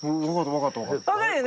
わかるよね？